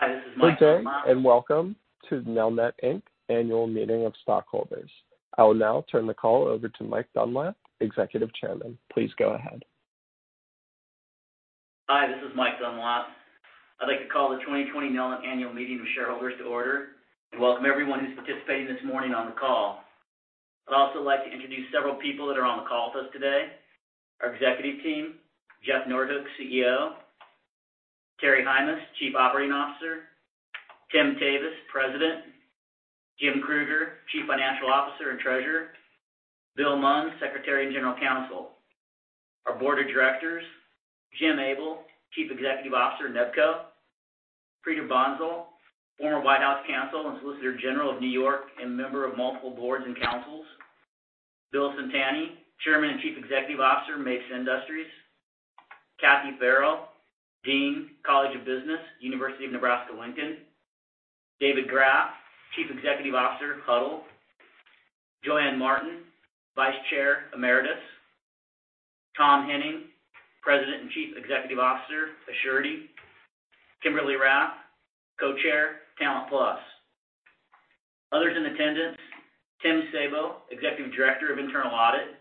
Hi, this is Mike Dunlap- Good day, and welcome to Nelnet, Inc. Annual Meeting of Stockholders. I will now turn the call over to Mike Dunlap, Executive Chairman. Please go ahead. Hi, this is Mike Dunlap. I'd like to call the 2020 Nelnet Annual Meeting of Shareholders to order, and welcome everyone who's participating this morning on the call. I'd also like to introduce several people that are on the call with us today. Our executive team, Jeffrey Noordhoek, CEO; Terry Heimes, Chief Operating Officer; Tim Tewes, President; Jim Kruger, Chief Financial Officer and Treasurer; Bill Munn, Secretary and General Counsel. Our board of directors, Jim Abell, Chief Executive Officer, NEBCO; Preeta Bansal, former White House Counsel and Solicitor General of New York, and member of multiple boards and councils; Bill Cintani, Chairman and Chief Executive Officer, Mapes Industries; Kathleen Farrell, Dean, College of Business, University of Nebraska, Lincoln; David Graff, Chief Executive Officer, Hudl; Joanne Martin, Vice Chair, Emeritus; Thomas Henning, President and Chief Executive Officer, Assurity; Kimberly Rath, Co-Chair, Talent Plus. Others in attendance, Tim Sabo, Executive Director of Internal Audit,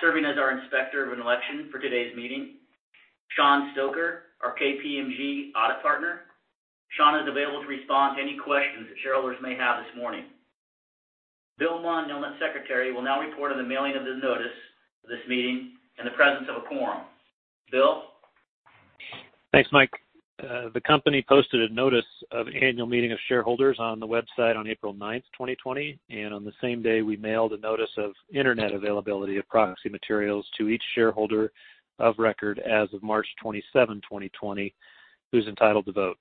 serving as our Inspector of Election for today's meeting. Shaun Stoker, our KPMG audit partner. Shaun is available to respond to any questions that shareholders may have this morning. Bill Munn, Nelnet Secretary, will now report on the mailing of the notice of this meeting and the presence of a quorum. Bill? Thanks, Mike. The company posted a notice of Annual Meeting of Shareholders on the website on April 9th, 2020, and on the same day, we mailed a notice of internet availability of proxy materials to each shareholder of record as of March 27, 2020, who's entitled to vote.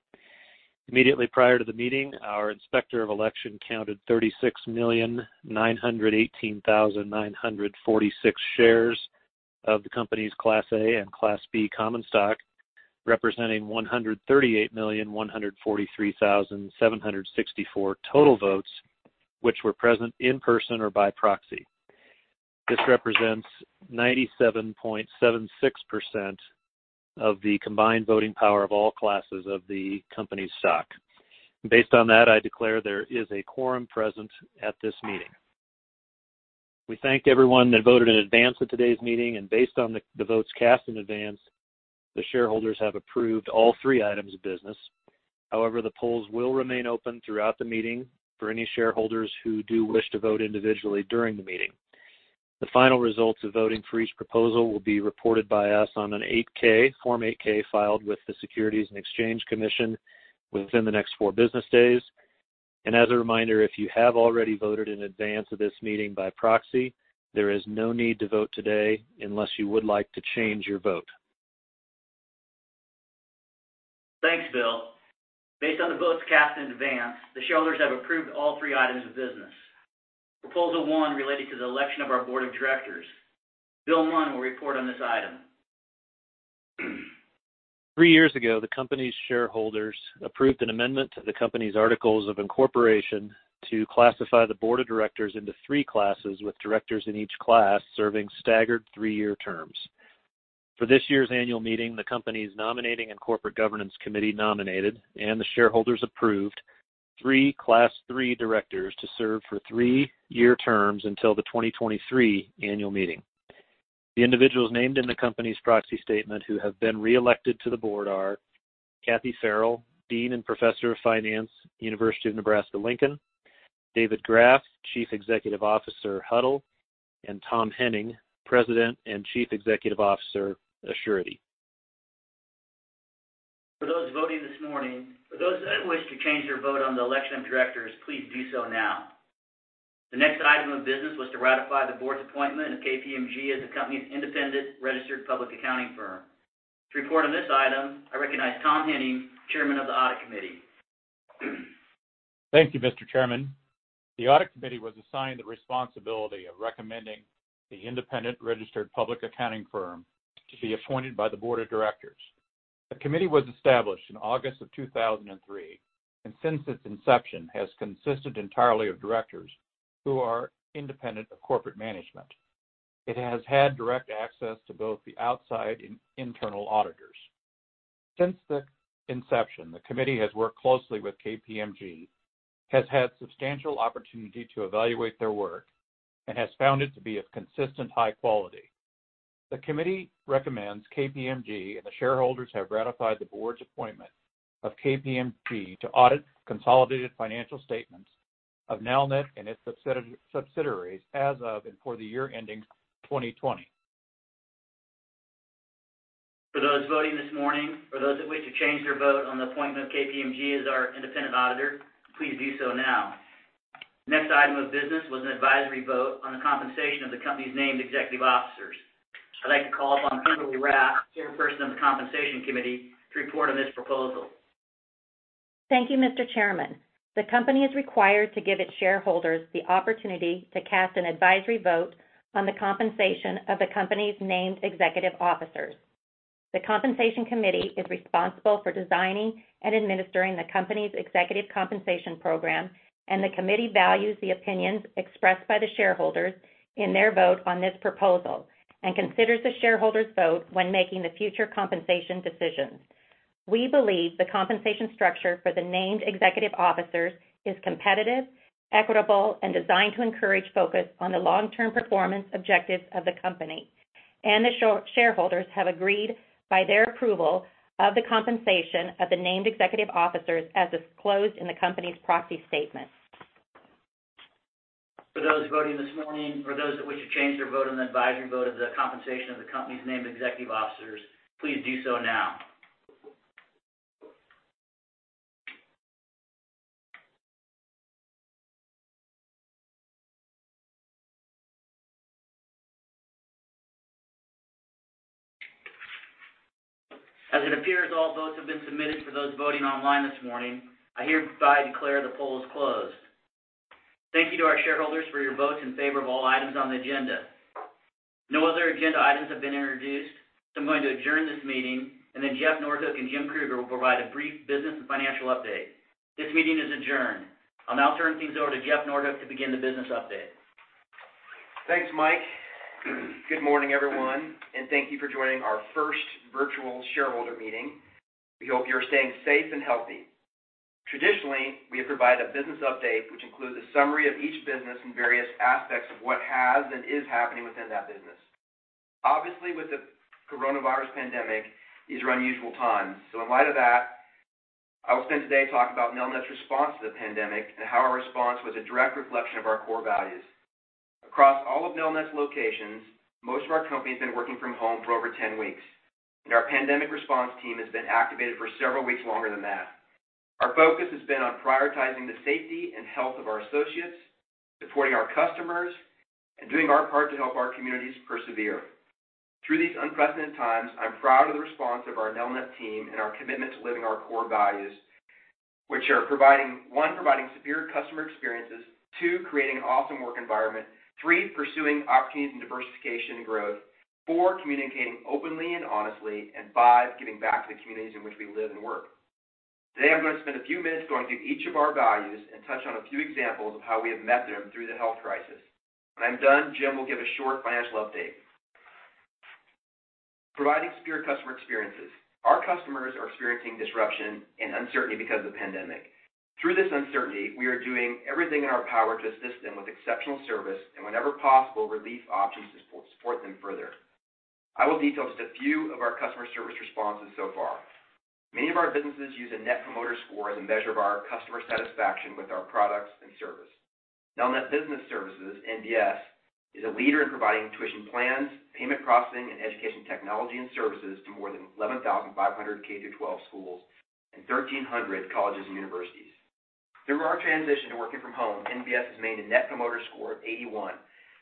Immediately prior to the meeting, our Inspector of Election counted 36,918,946 shares of the company's Class A and Class B common stock, representing 138,143,764 total votes, which were present in person or by proxy. This represents 97.76% of the combined voting power of all classes of the company's stock. Based on that, I declare there is a quorum present at this meeting. We thank everyone that voted in advance of today's meeting, and based on the votes cast in advance, the shareholders have approved all three items of business. However, the polls will remain open throughout the meeting for any shareholders who do wish to vote individually during the meeting. The final results of voting for each proposal will be reported by us on an 8-K, Form 8-K, filed with the Securities and Exchange Commission within the next four business days. As a reminder, if you have already voted in advance of this meeting by proxy, there is no need to vote today unless you would like to change your vote. Thanks, Bill. Based on the votes cast in advance, the shareholders have approved all three items of business. Proposal one related to the election of our board of directors. Bill Munn will report on this item. Three years ago, the company's shareholders approved an amendment to the company's articles of incorporation to classify the Board of Directors into three classes, with directors in each class serving staggered three-year terms. For this year's Annual Meeting, the company's Nominating and Corporate Governance Committee nominated, and the shareholders approved three Class Three directors to serve for three-year terms until the 2023 Annual Meeting. The individuals named in the company's proxy statement who have been reelected to the board are Kathleen Farrell, Dean and Professor of Finance, University of Nebraska–Lincoln; David Graff, Chief Executive Officer, Hudl; and Tom Henning, President and Chief Executive Officer, Assurity. For those voting this morning, for those that wish to change their vote on the election of directors, please do so now. The next item of business was to ratify the Board's appointment of KPMG as the company's independent registered public accounting firm. To report on this item, I recognize Tom Henning, Chairman of the Audit Committee. Thank you, Mr. Chairman. The Audit Committee was assigned the responsibility of recommending the independent registered public accounting firm to be appointed by the board of directors. The committee was established in August 2003, and since its inception, has consisted entirely of directors who are independent of corporate management. It has had direct access to both the outside and internal auditors. Since the inception, the committee has worked closely with KPMG, has had substantial opportunity to evaluate their work, and has found it to be of consistent high quality. The committee recommends KPMG, and the shareholders have ratified the Board's appointment of KPMG to audit consolidated financial statements of Nelnet and its subsidiaries as of and for the year ending 2020. For those voting this morning, for those that wish to change their vote on the appointment of KPMG as our independent auditor, please do so now. Next item of business was an advisory vote on the compensation of the company's named executive officers. I'd like to call upon Kimberly Rath, Chairperson of the Compensation Committee, to report on this proposal. Thank you, Mr. Chairman. The company is required to give its shareholders the opportunity to cast an advisory vote on the compensation of the company's named executive officers. The Compensation Committee is responsible for designing and administering the company's executive compensation program, and the committee values the opinions expressed by the shareholders in their vote on this proposal and considers the shareholders' vote when making the future compensation decisions. We believe the compensation structure for the named executive officers is competitive, equitable, and designed to encourage focus on the long-term performance objectives of the company, and the shareholders have agreed by their approval of the compensation of the named executive officers as disclosed in the company's proxy statement. For those voting this morning, or those that wish to change their vote on the advisory vote of the compensation of the company's named executive officers, please do so now. As it appears, all votes have been submitted for those voting online this morning. I hereby declare the poll is closed. Thank you to our shareholders for your votes in favor of all items on the agenda. No other agenda items have been introduced, so I'm going to adjourn this meeting, and then Jeffrey Noordhoek and Jim Kruger will provide a brief business and financial update. This meeting is adjourned. I'll now turn things over to Jeffrey Noordhoek to begin the business update. Thanks, Mike. Good morning, everyone, and thank you for joining our first virtual shareholder meeting. We hope you're staying safe and healthy. Traditionally, we have provided a business update, which includes a summary of each business and various aspects of what has and is happening within that business. Obviously, with the coronavirus pandemic, these are unusual times. So in light of that, I will spend today talking about Nelnet's response to the pandemic and how our response was a direct reflection of our core values. Across all of Nelnet's locations, most of our company has been working from home for over 10 weeks, and our pandemic response team has been activated for several weeks longer than that. Our focus has been on prioritizing the safety and health of our associates, supporting our customers, and doing our part to help our communities persevere. Through these unprecedented times, I'm proud of the response of our Nelnet team and our commitment to living our core values, which are one, providing superior customer experiences, two, creating an awesome work environment, three, pursuing opportunities in diversification and growth, four, communicating openly and honestly, and five, giving back to the communities in which we live and work. Today, I'm going to spend a few minutes going through each of our values and touch on a few examples of how we have met them through the health crisis. When I'm done, Jim will give a short financial update. Providing superior customer experiences. Our customers are experiencing disruption and uncertainty because of the pandemic. Through this uncertainty, we are doing everything in our power to assist them with exceptional service and, whenever possible, relief options to support them further. I will detail just a few of our customer service responses so far. Many of our businesses use a Net Promoter Score as a measure of our customer satisfaction with our products and service. Nelnet Business Services, NBS, is a leader in providing tuition plans, payment processing, and education technology and services to more than 11,500 K-12 schools and 1,300 colleges and universities. Through our transition to working from home, NBS has made a Net Promoter Score of 81.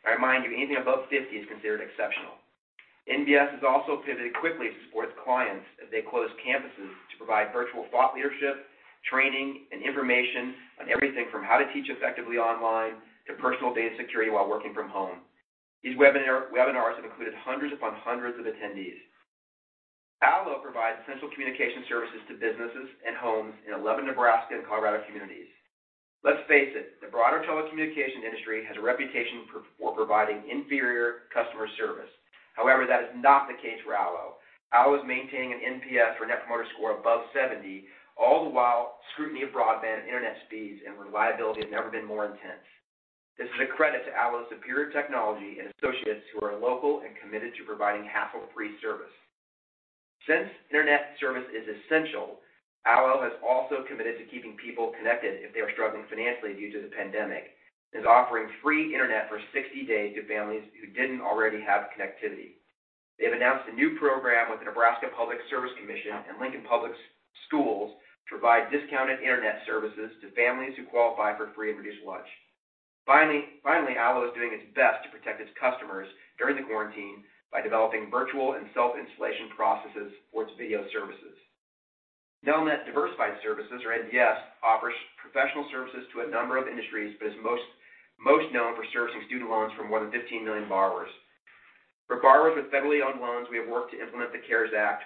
I remind you, anything above 50 is considered exceptional. NBS has also pivoted quickly to support its clients as they closed campuses to provide virtual thought leadership, training, and information on everything from how to teach effectively online to personal data security while working from home. These webinars have included hundreds upon hundreds of attendees. ALLO provides essential communication services to businesses and homes in 11 Nebraska and Colorado communities. Let's face it, the broader telecommunication industry has a reputation for providing inferior customer service. However, that is not the case for ALLO. ALLO is maintaining an NPS or Net Promoter Score above 70, all the while scrutiny of broadband and internet speeds and reliability have never been more intense. This is a credit to ALLO's superior technology and associates who are local and committed to providing hassle-free service. Since internet service is essential, ALLO has also committed to keeping people connected if they are struggling financially due to the pandemic, and is offering free internet for 60 days to families who didn't already have connectivity. They've announced a new program with the Nebraska Public Service Commission and Lincoln Public Schools to provide discounted internet services to families who qualify for free and reduced lunch. Finally, ALLO is doing its best to protect its customers during the quarantine by developing virtual and self-installation processes for its video services. Nelnet Diversified Services, or NDS, offers professional services to a number of industries, but is most known for servicing student loans for more than 15 million borrowers. For borrowers with federally owned loans, we have worked to implement the CARES Act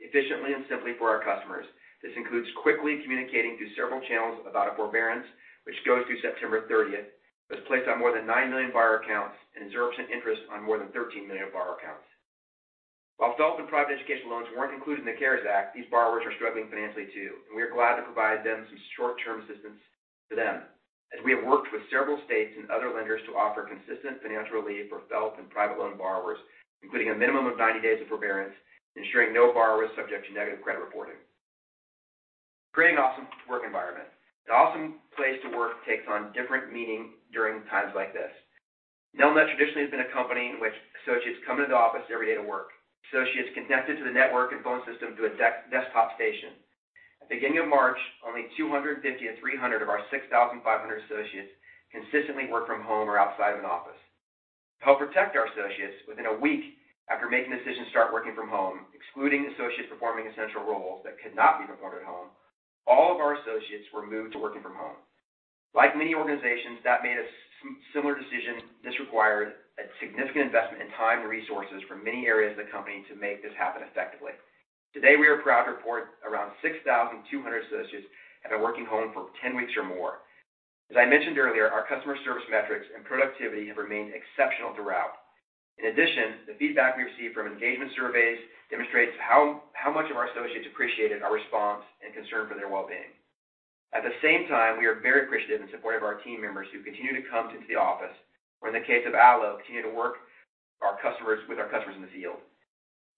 efficiently and simply for our customers. This includes quickly communicating through several channels about a forbearance, which goes through September 30th, was placed on more than 9 million borrower accounts, and 0% interest on more than 13 million borrower accounts. While adult and private education loans weren't included in the CARES Act, these borrowers are struggling financially too, and we are glad to provide them some short-term assistance to them. As we have worked with several states and other lenders to offer consistent financial relief for FFELP and private loan borrowers, including a minimum of 90 days of forbearance, ensuring no borrower is subject to negative credit reporting. Creating an awesome work environment. An awesome place to work takes on different meaning during times like this. Nelnet traditionally has been a company in which associates come into the office every day to work. Associates connected to the network and phone system through a desktop station. At the beginning of March, only 250-300 of our 6,500 associates consistently worked from home or outside of an office. To help protect our associates, within a week after making the decision to start working from home, excluding associates performing essential roles that could not be performed at home, all of our associates were moved to working from home. Like many organizations that made a similar decision, this required a significant investment in time and resources from many areas of the company to make this happen effectively. Today, we are proud to report around 6,200 associates have been working home for 10 weeks or more. As I mentioned earlier, our customer service metrics and productivity have remained exceptional throughout. In addition, the feedback we received from engagement surveys demonstrates how much of our associates appreciated our response and concern for their well-being. At the same time, we are very appreciative and supportive of our team members who continue to come to the office, or in the case of ALLO, continue to work our customers, with our customers in the field.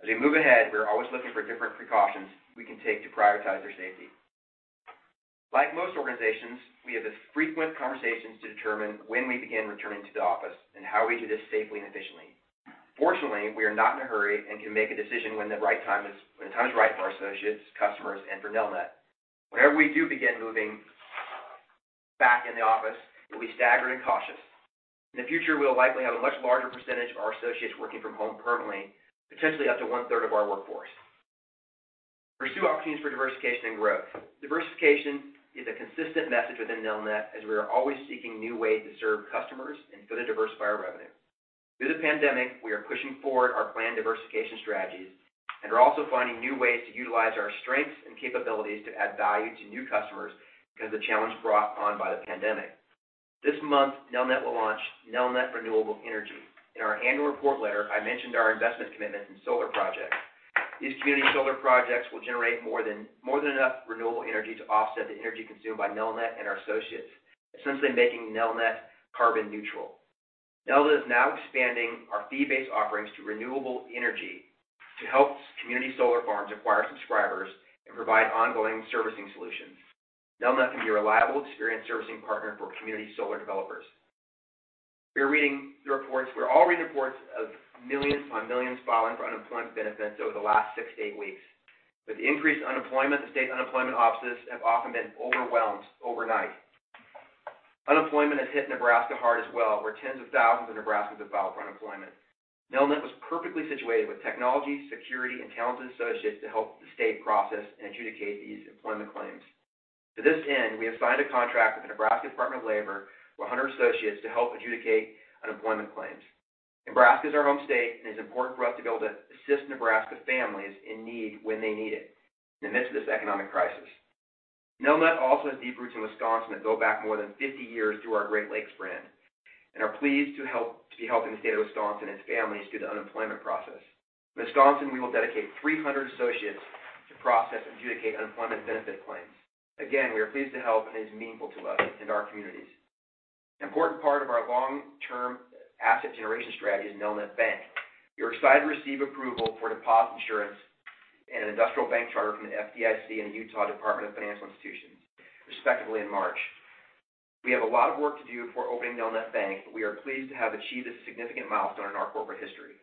As we move ahead, we are always looking for different precautions we can take to prioritize their safety. Like most organizations, we have frequent conversations to determine when we begin returning to the office and how we do this safely and efficiently. Fortunately, we are not in a hurry and can make a decision when the time is right for our associates, customers, and for Nelnet. Whenever we do begin moving back in the office, it will be staggered and cautious. In the future, we'll likely have a much larger percentage of our associates working from home permanently, potentially up to one-third of our workforce. Pursue opportunities for diversification and growth. Diversification is a consistent message within Nelnet, as we are always seeking new ways to serve customers and further diversify our revenue. Through the pandemic, we are pushing forward our planned diversification strategies and are also finding new ways to utilize our strengths and capabilities to add value to new customers because of the challenge brought on by the pandemic. This month, Nelnet will launch Nelnet Renewable Energy. In our annual report letter, I mentioned our investment commitment in solar projects. These community solar projects will generate more than enough renewable energy to offset the energy consumed by Nelnet and our associates, essentially making Nelnet carbon neutral. Nelnet is now expanding our fee-based offerings to renewable energy to help community solar farms acquire subscribers and provide ongoing servicing solutions. Nelnet can be a reliable, experienced servicing partner for community solar developers. We are reading the reports, we're all reading reports of millions upon millions filing for unemployment benefits over the last six to eight weeks. With increased unemployment, the state unemployment offices have often been overwhelmed overnight. Unemployment has hit Nebraska hard as well, where tens of thousands of Nebraskans have filed for unemployment. Nelnet was perfectly situated with technology, security, and talented associates to help the state process and adjudicate these employment claims. To this end, we have signed a contract with the Nebraska Department of Labor for 100 associates to help adjudicate unemployment claims. Nebraska is our home state, and it's important for us to be able to assist Nebraska families in need when they need it in the midst of this economic crisis. Nelnet also has deep roots in Wisconsin that go back more than 50 years through our Great Lakes brand and are pleased to be helping the state of Wisconsin and its families through the unemployment process. In Wisconsin, we will dedicate 300 associates to process and adjudicate unemployment benefit claims. Again, we are pleased to help, and it is meaningful to us and our communities. An important part of our long-term asset generation strategy is Nelnet Bank. We are excited to receive approval for deposit insurance and an industrial bank charter from the FDIC and the Utah Department of Financial Institutions, respectively, in March. We have a lot of work to do before opening Nelnet Bank, but we are pleased to have achieved this significant milestone in our corporate history.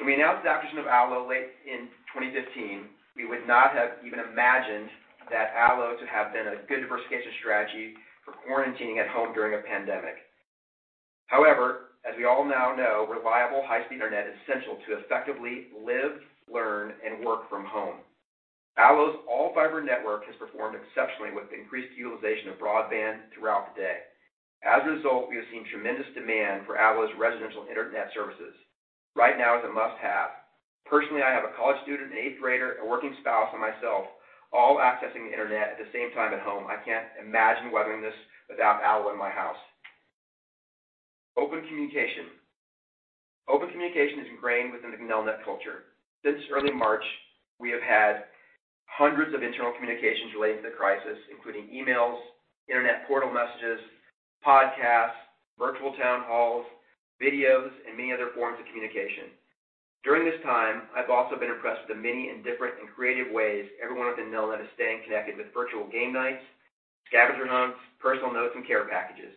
When we announced the acquisition of ALLO late in 2015, we would not have even imagined that ALLO to have been a good diversification strategy for quarantining at home during a pandemic. However, as we all now know, reliable high-speed internet is essential to effectively live, learn, and work from home. ALLO's all-fiber network has performed exceptionally with the increased utilization of broadband throughout the day. As a result, we have seen tremendous demand for ALLO's residential internet services. Right now, it's a must-have. Personally, I have a college student, an eighth-grader, a working spouse, and myself all accessing the internet at the same time at home. I can't imagine weathering this without ALLO in my house. Open communication. Open communication is ingrained within the Nelnet culture. Since early March, we have had hundreds of internal communications relating to the crisis, including emails, internet portal messages, podcasts, virtual town halls, videos, and many other forms of communication. During this time, I've also been impressed with the many and different and creative ways everyone within Nelnet is staying connected with virtual game nights, scavenger hunts, personal notes, and care packages.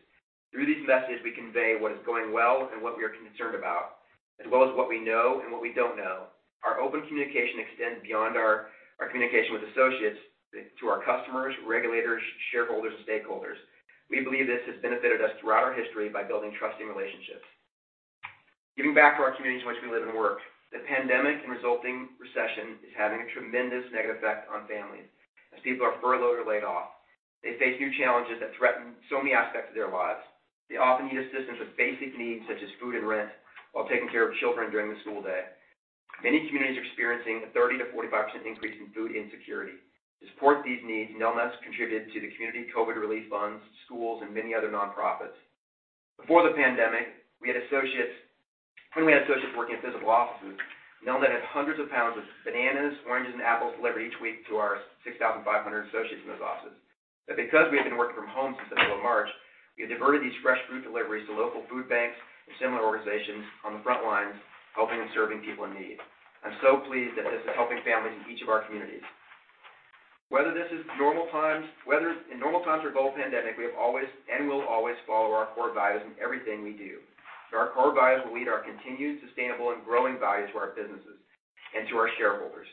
Through these messages, we convey what is going well and what we are concerned about, as well as what we know and what we don't know. Our open communication extends beyond our communication with associates to our customers, regulators, shareholders, and stakeholders. We believe this has benefited us throughout our history by building trusting relationships. Giving back to our communities in which we live and work. The pandemic and resulting recession is having a tremendous negative effect on families. As people are furloughed or laid off, they face new challenges that threaten so many aspects of their lives. They often need assistance with basic needs, such as food and rent, while taking care of children during the school day. Many communities are experiencing a 30%-45% increase in food insecurity. To support these needs, Nelnet has contributed to the community COVID relief funds, schools, and many other nonprofits. Before the pandemic when we had associates working in physical offices, Nelnet had hundreds of pounds of bananas, oranges, and apples delivered each week to our 6,500 associates in those offices. But because we have been working from home since the middle of March, we have diverted these fresh food deliveries to local food banks and similar organizations on the front lines, helping and serving people in need. I'm so pleased that this is helping families in each of our communities. Whether this is normal times, whether in normal times or global pandemic, we have always and will always follow our core values in everything we do. So our core values will lead our continued sustainable and growing values to our businesses and to our shareholders.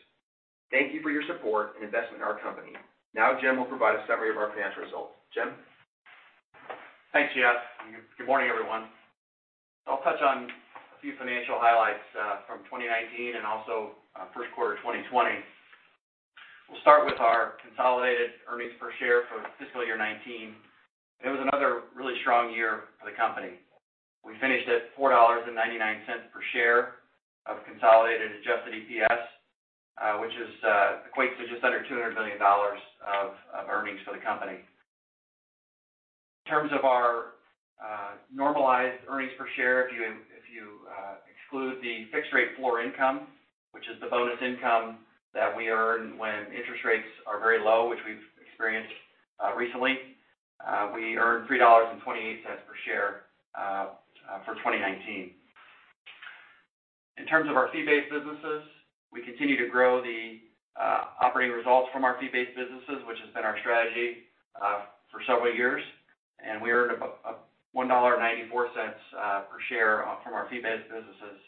Thank you for your support and investment in our company. Now, Jim will provide a summary of our financial results. Jim? Thanks, Jeff. Good morning, everyone. I'll touch on a few financial highlights from 2019 and also first quarter of 2020. We'll start with our consolidated earnings per share for fiscal year 2019. It was another really strong year for the company. We finished at $4.99 per share of consolidated adjusted EPS, which equates to just under $200 billion of earnings for the company. In terms of our normalized earnings per share, if you exclude the fixed rate floor income, which is the bonus income that we earn when interest rates are very low, which we've experienced recently, we earned $3.28 per share for 2019. In terms of our fee-based businesses, we continue to grow the operating results from our fee-based businesses, which has been our strategy for several years. We earned about $1.94 per share from our fee-based businesses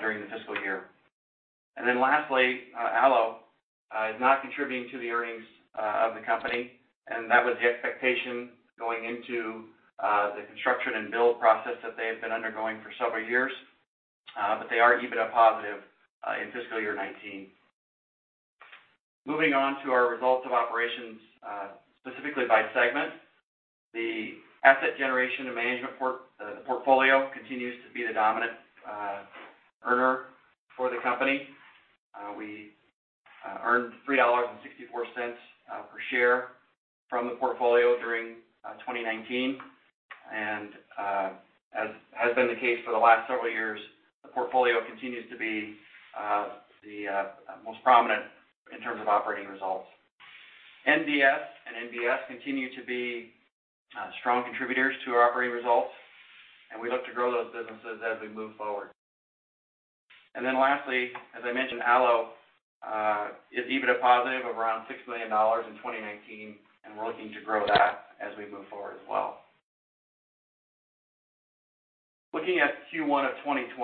during the fiscal year. Then lastly, ALLO is not contributing to the earnings of the company, and that was the expectation going into the construction and build process that they have been undergoing for several years. But they are EBITDA positive in fiscal year 2019. Moving on to our results of operations specifically by segment. The Asset Generation and Management portfolio continues to be the dominant earner for the company. We earned $3.64 per share from the portfolio during 2019. As has been the case for the last several years, the portfolio continues to be the most prominent in terms of operating results. NDS and NBS continue to be strong contributors to our operating results, and we look to grow those businesses as we move forward. And then lastly, as I mentioned, ALLO is EBITDA positive of around $6 million in 2019, and we're looking to grow that as we move forward as well. Looking at Q1 of 2020,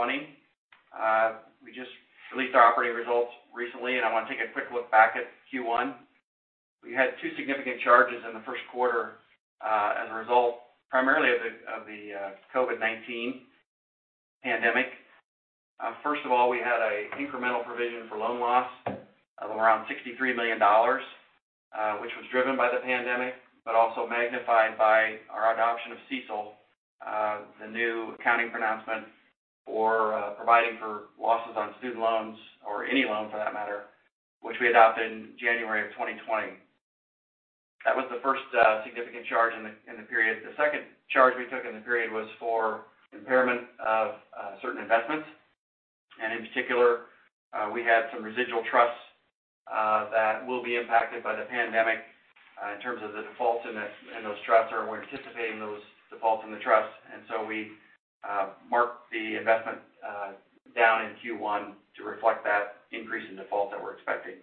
we just released our operating results recently, and I want to take a quick look back at Q1. We had two significant charges in the first quarter, as a result, primarily of the COVID-19 pandemic. First of all, we had an incremental provision for loan loss of around $63 million, which was driven by the pandemic, but also magnified by our adoption of CECL, the new accounting pronouncement for providing for losses on student loans or any loan for that matter, which we adopted in January of 2020. That was the first significant charge in the period. The second charge we took in the period was for impairment of certain investments. And in particular, we had some residual trusts that will be impacted by the pandemic in terms of the defaults in those trusts, or we're anticipating those defaults in the trusts. And so we marked the investment down in Q1 to reflect that increase in default that we're expecting.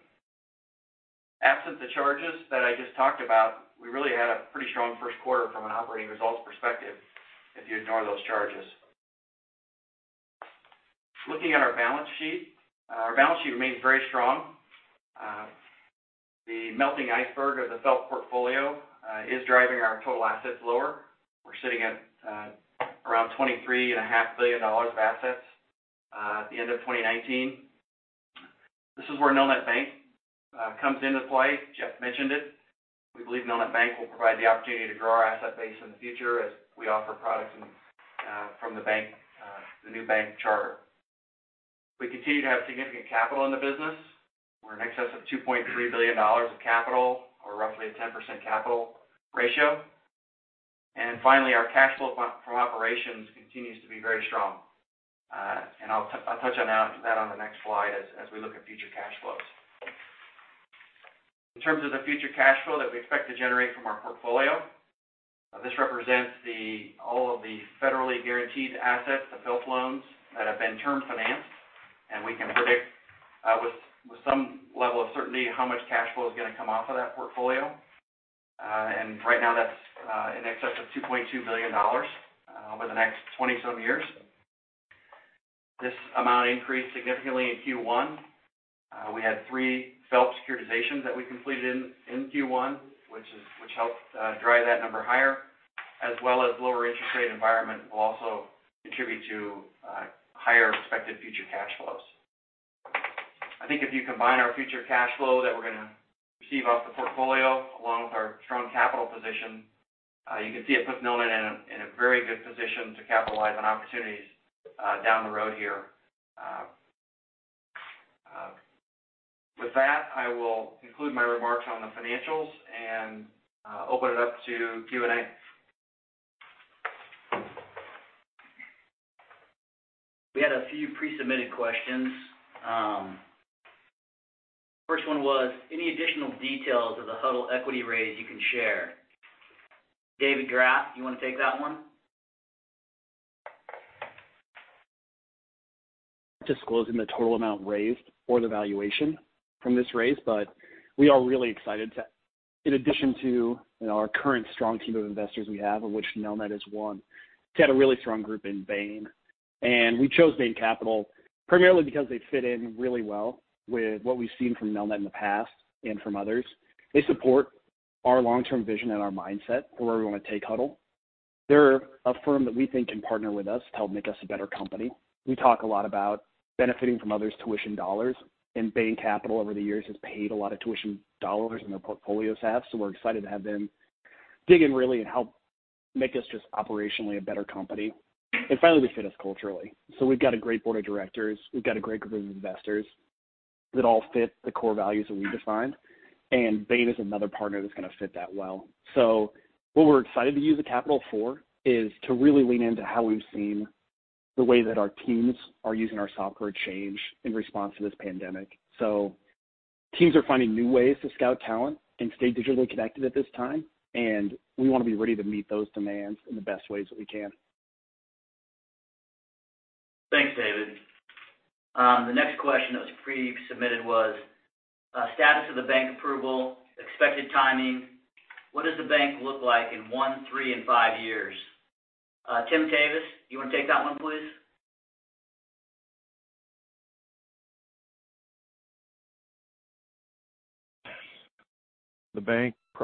Absent the charges that I just talked about, we really had a pretty strong first quarter from an operating results perspective, if you ignore those charges. Looking at our balance sheet, our balance sheet remains very strong. The melting iceberg of the FFELP portfolio is driving our total assets lower. We're sitting at around $23.5 billion of assets at the end of 2019. This is where Nelnet Bank comes into play. Jeff mentioned it. We believe Nelnet Bank will provide the opportunity to grow our asset base in the future as we offer products and from the bank, the new bank charter. We continue to have significant capital in the business. We're in excess of $2.3 billion of capital, or roughly a 10% capital ratio. And finally, our cash flow from operations continues to be very strong. I'll touch on that on the next slide as we look at future cash flows. In terms of the future cash flow that we expect to generate from our portfolio, this represents all of the federally guaranteed assets, the FFELP loans, that have been term financed. We can predict with some level of certainty how much cash flow is going to come off of that portfolio. Right now, that's in excess of $2.2 billion over the next 27 years. This amount increased significantly in Q1. We had three FFELP securitizations that we completed in Q1, which helped drive that number higher, as well as lower interest rate environment will also contribute to higher expected future cash flows. I think if you combine our future cash flow that we're going to receive off the portfolio, along with our strong capital position, you can see it puts Nelnet in a very good position to capitalize on opportunities down the road here. With that, I will conclude my remarks on the financials and open it up to Q&A. We had a few pre-submitted questions. First one was: Any additional details of the Hudl equity raise you can share? David Graff, you want to take that one? Disclosing the total amount raised or the valuation from this raise, but we are really excited to, in addition to, you know, our current strong team of investors we have, of which Nelnet is one, to have a really strong group in Bain. And we chose Bain Capital primarily because they fit in really well with what we've seen from Nelnet in the past and from others. They support our long-term vision and our mindset for where we want to take Hudl. They're a firm that we think can partner with us to help make us a better company. We talk a lot about benefiting from others' tuition dollars, and Bain Capital, over the years, has paid a lot of tuition dollars in their portfolio's half. So we're excited to have them dig in really and help make us just operationally a better company. And finally, they fit us culturally. We've got a great board of directors. We've got a great group of investors. That all fit the core values that we defined, and Bain is another partner that's gonna fit that well. What we're excited to use the capital for is to really lean into how we've seen the way that our teams are using our software change in response to this pandemic. Teams are finding new ways to scout talent and stay digitally connected at this time, and we want to be ready to meet those demands in the best ways that we can. Thanks, David. The next question that was pre-submitted was status of the bank approval, expected timing. What does the bank look like in one, three, and five years? Tim Tewes, you want to take that one, please?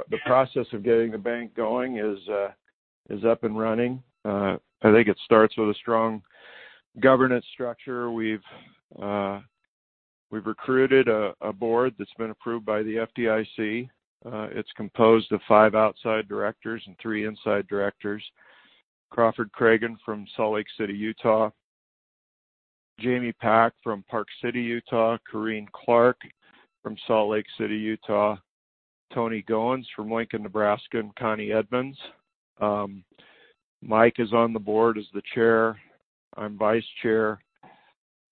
The process of getting the bank going is up and running. I think it starts with a strong governance structure. We've recruited a board that's been approved by the FDIC. It's composed of five outside directors and three inside directors. Crawford Cragun from Salt Lake City, Utah; Jaime Pack from Park City, Utah; Corinne Clark from Salt Lake City, Utah; Tony Goins from Lincoln, Nebraska, and Connie Edmonds. Mike is on the Board as the Chair. I'm Vice Chair,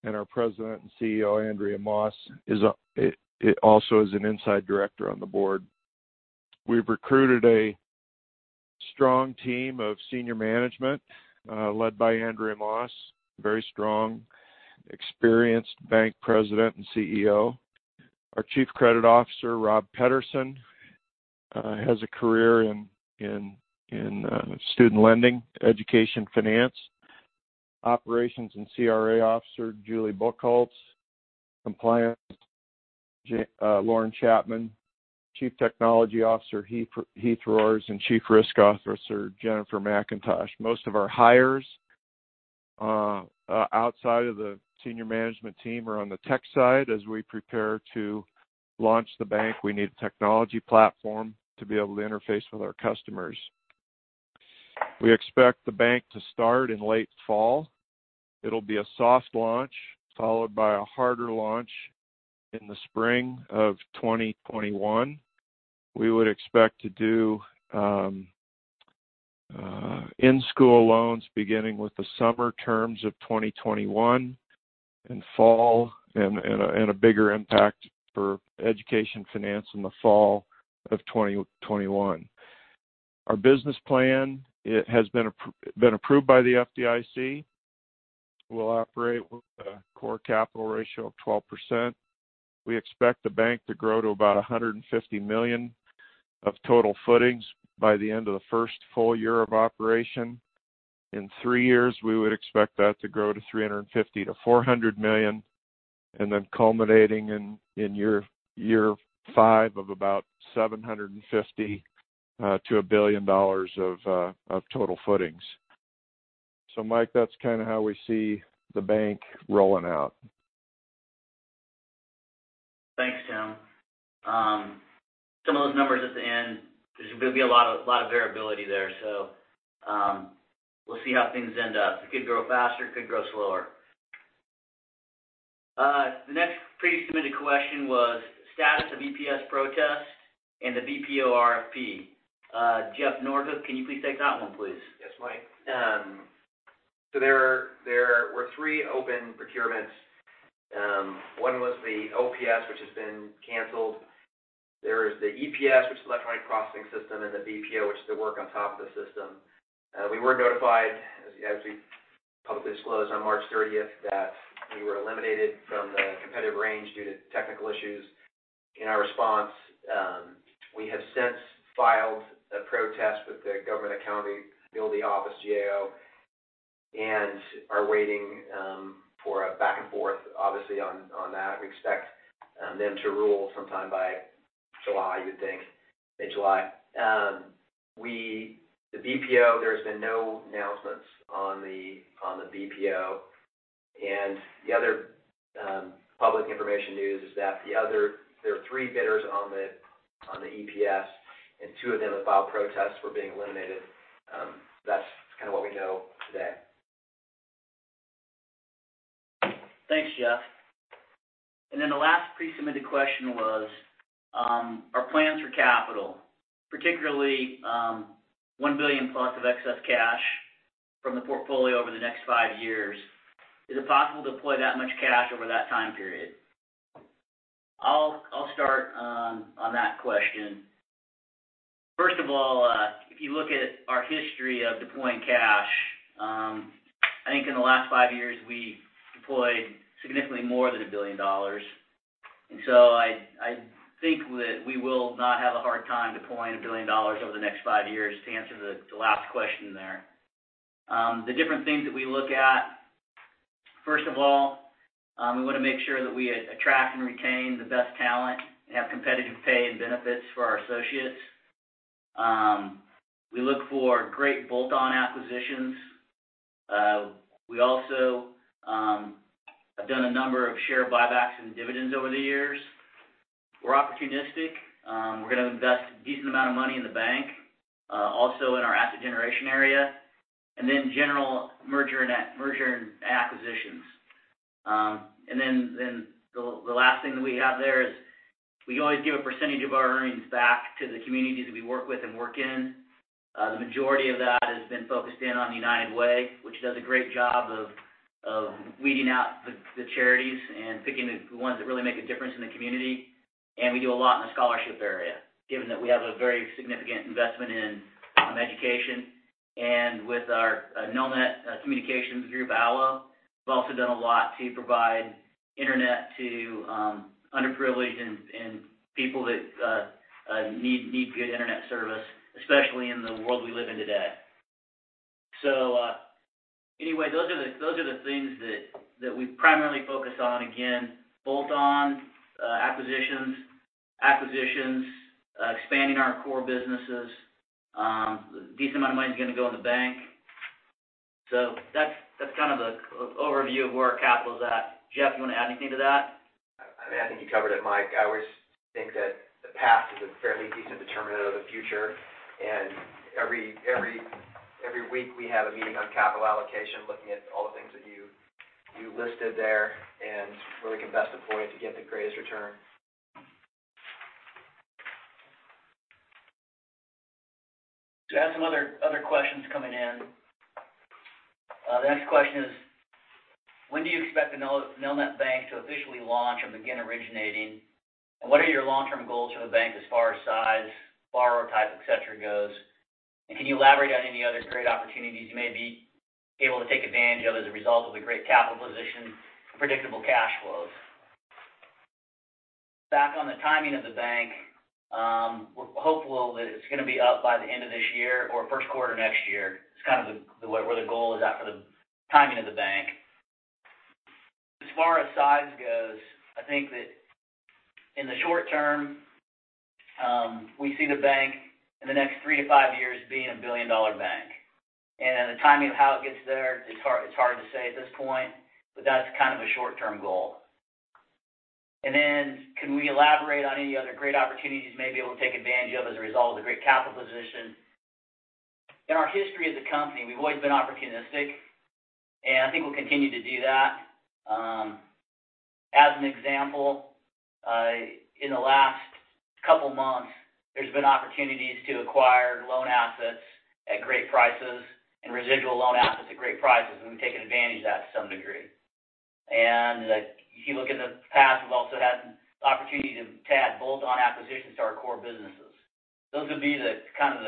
and our President and CEO, Andrea Moss, is also an inside director on the board. We've recruited a strong team of senior management led by Andrea Moss, a very strong, experienced bank President and CEO. Our Chief Credit Officer, Rob Pederson, has a career in student lending, education finance. Operations and CRA Officer, Julie Buchholz. Compliance, Lauren Chapman. Chief Technology Officer, Heath Rohrs, and Chief Risk Officer, Jennifer McIntosh. Most of our hires outside of the senior management team are on the tech side. As we prepare to launch the bank, we need a technology platform to be able to interface with our customers. We expect the bank to start in late fall. It'll be a soft launch, followed by a harder launch in the spring of 2021. We would expect to do in-school loans beginning with the summer terms of 2021 and fall, and a bigger impact for education finance in the fall of 2021. Our business plan has been approved by the FDIC. We'll operate with a core capital ratio of 12%. We expect the bank to grow to about $150 million of total footings by the end of the first full year of operation. In three years, we would expect that to grow to $350 million-$400 million, and then culminating in year five of about $750 million to $1 billion of total footings. So Mike, that's kind of how we see the bank rolling out. Thanks, Tim. Some of those numbers at the end, there's gonna be a lot of variability there, so, we'll see how things end up. It could grow faster, it could grow slower. The next pre-submitted question was status of EPS protests and the BPO RFP. Jeff Noordhoek, can you please take that one, please? Yes, Mike. So there were three open procurements. One was the OPS, which has been canceled. There is the EPS, which is Electronic Processing System, and the BPO, which is the work on top of the system. We were notified, as we publicly disclosed on March 30th, that we were eliminated from the competitive range due to technical issues in our response. We have since filed a protest with the Government Accountability Office, GAO, and are waiting for a back and forth, obviously, on that. We expect them to rule sometime by July, you would think. Mid-July. The BPO, there's been no announcements on the BPO. And the other public information news is that there are three bidders on the EPS, and two of them have filed protests for being eliminated. That's kind of what we know today. Thanks, Jeff. Then the last pre-submitted question was, our plans for capital, particularly, $1 billion+ of excess cash from the portfolio over the next five years. Is it possible to deploy that much cash over that time period? I'll start on that question. First of all, if you look at our history of deploying cash, I think in the last five years, we deployed significantly more than $1 billion. So I think that we will not have a hard time deploying $1 billion over the next five years, to answer the last question there. The different things that we look at, first of all, we want to make sure that we attract and retain the best talent and have competitive pay and benefits for our associates. We look for great bolt-on acquisitions. We also have done a number of share buybacks and dividends over the years. We're opportunistic. We're gonna invest a decent amount of money in the bank, also in our asset generation area, and then general merger and acquisitions. And then the last thing that we have there is, we always give a percentage of our earnings back to the communities that we work with and work in. The majority of that has been focused in on United Way, which does a great job of weeding out the charities and picking the ones that really make a difference in the community. And we do a lot in the scholarship area, given that we have a very significant investment in education. With our Nelnet communications group, ALLO, we've also done a lot to provide internet to underprivileged and people that need good internet service, especially in the world we live in today. So, anyway, those are the things that we primarily focus on. Again, bolt-on acquisitions, expanding our core businesses. A decent amount of money is gonna go in the bank. So that's kind of the overview of where our capital is at. Jeff, you wanna add anything to that? I think you covered it, Mike. I always think that the past is a fairly decent determinant of the future, and every week, we have a meeting on capital allocation, looking at all the things that you listed there, and where we can best deploy it to get the greatest return. So we have some other questions coming in. The next question is: When do you expect the Nelnet Bank to officially launch or begin originating? And what are your long-term goals for the bank as far as size, borrower type, et cetera, goes? And can you elaborate on any other great opportunities you may be able to take advantage of as a result of the great capital position and predictable cash flows? Back on the timing of the bank, we're hopeful that it's gonna be up by the end of this year or first quarter next year. It's kind of the where the goal is at for the timing of the bank. As far as size goes, I think that in the short term, we see the bank, in the next three to five years, being a billion-dollar bank. The timing of how it gets there, it's hard, it's hard to say at this point, but that's kind of a short-term goal. And then, can we elaborate on any other great opportunities may be able to take advantage of as a result of the great capital position? In our history as a company, we've always been opportunistic, and I think we'll continue to do that. As an example, in the last couple of months, there's been opportunities to acquire loan assets at great prices and residual loan assets at great prices, and we've taken advantage of that to some degree. And if you look in the past, we've also had the opportunity to add bolt-on acquisitions to our core businesses. Those would be the kind of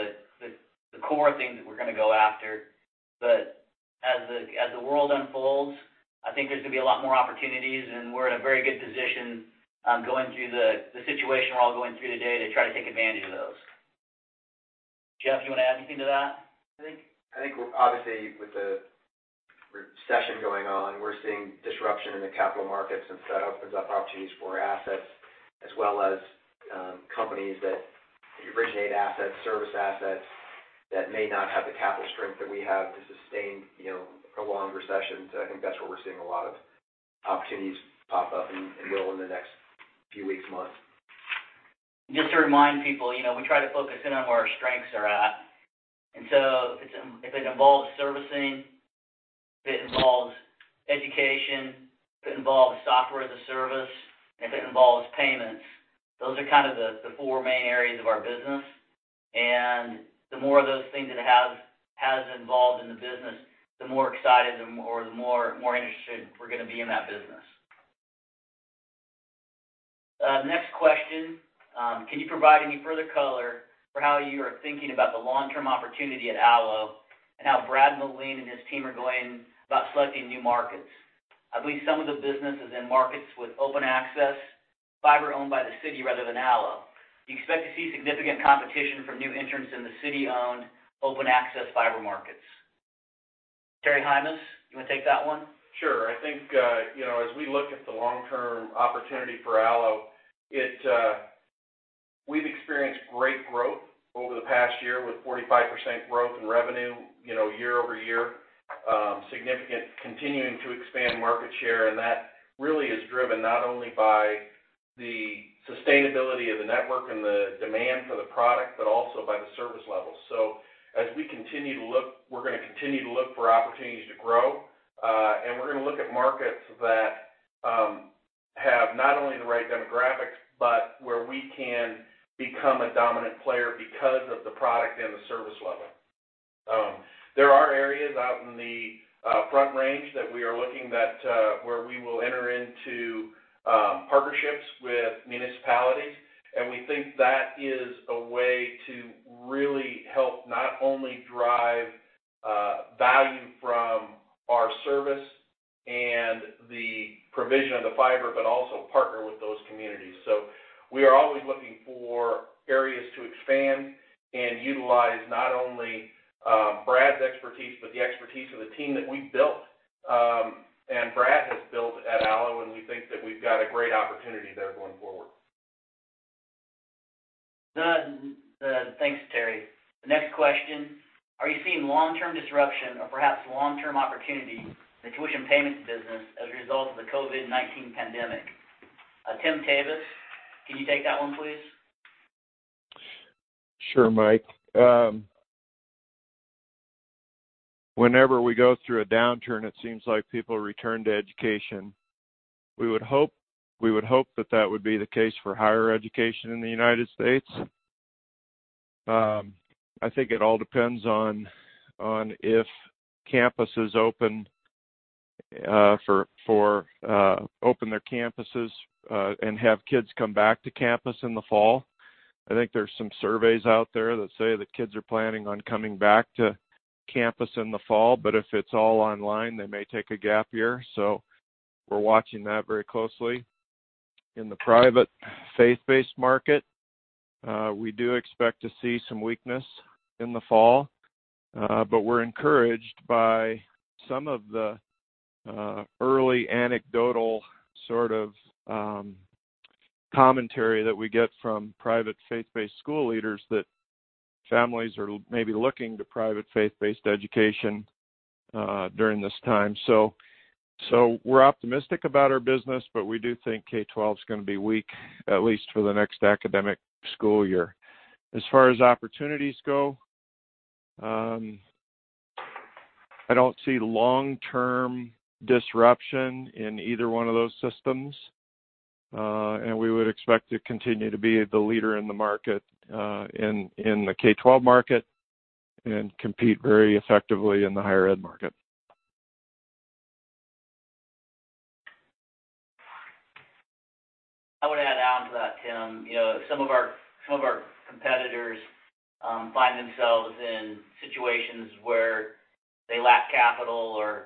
core things that we're gonna go after. But as the world unfolds, I think there's gonna be a lot more opportunities, and we're in a very good position going through the situation we're all going through today to try to take advantage of those. Jeff, do you want to add anything to that? I think obviously, with the recession going on, we're seeing disruption in the capital markets, and so that opens up opportunities for assets as well as companies that originate assets, service assets, that may not have the capital strength that we have to sustain, you know, a prolonged recession. So I think that's where we're seeing a lot of opportunities pop up and, and will in the next few weeks, months. Just to remind people, you know, we try to focus in on where our strengths are at. And so if it involves servicing, if it involves education, if it involves software as a service, if it involves payments, those are kind of the four main areas of our business. And the more of those things it has involved in the business, the more excited or the more interested we're gonna be in that business. Next question. Can you provide any further color for how you are thinking about the long-term opportunity at ALLO, and how Brad Moline and his team are going about selecting new markets? I believe some of the business is in markets with open access, fiber owned by the city rather than ALLO. Do you expect to see significant competition from new entrants in the city-owned, open-access fiber markets? Terry Heimes, you want to take that one? Sure. I think, you know, as we look at the long-term opportunity for ALLO, we've experienced great growth over the past year, with 45% growth in revenue, you know, year over year. Significant continuing to expand market share, and that really is driven not only by the sustainability of the network and the demand for the product, but also by the service level. So as we continue to look, we're gonna continue to look for opportunities to grow, and we're gonna look at markets that have not only the right demographics, but where we can become a dominant player because of the product and the service level. There are areas out in the Front Range that we are looking where we will enter into partnerships with municipalities, and we think that is a way to really help, not only drive value from our service and the provision of the fiber, but also partner with those communities. So we are always looking for areas to expand and utilize not only Brad's expertise, but the expertise of the team that we've built, and Brad has built at ALLO, and we think that we've got a great opportunity there going forward. Done. Thanks, Terry. The next question: Are you seeing long-term disruption or perhaps long-term opportunity in the tuition payments business as a result of the COVID-19 pandemic? Tim Tewes, can you take that one, please? Sure, Mike. Whenever we go through a downturn, it seems like people return to education. We would hope, we would hope that that would be the case for higher education in the United States. I think it all depends on if campuses open for open their campuses and have kids come back to campus in the fall. I think there's some surveys out there that say that kids are planning on coming back to campus in the fall, but if it's all online, they may take a gap year. So we're watching that very closely. In the private faith-based market, we do expect to see some weakness in the fall. But we're encouraged by some of the early anecdotal sort of commentary that we get from private faith-based school leaders, that families are maybe looking to private faith-based education during this time. So we're optimistic about our business, but we do think K-12 is gonna be weak, at least for the next academic school year. As far as opportunities go, I don't see long-term disruption in either one of those systems, and we would expect to continue to be the leader in the market, in the K-12 market and compete very effectively in the higher ed market. I would add on to that, Tim. You know, some of our competitors find themselves in situations where they lack capital or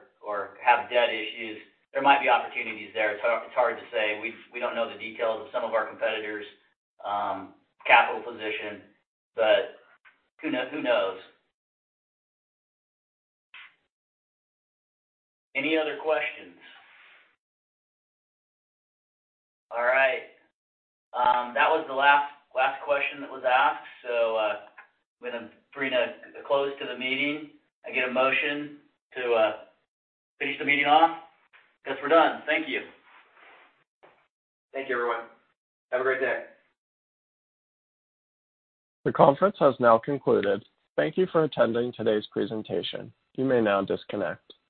have debt issues. There might be opportunities there. It's hard to say. We don't know the details of some of our competitors' capital position, but who knows? Any other questions? All right. That was the last question that was asked, so I'm gonna bring a close to the meeting. I get a motion to finish the meeting off. Guess we're done. Thank you. Thank you, everyone. Have a great day. The conference has now concluded. Thank you for attending today's presentation. You may now disconnect.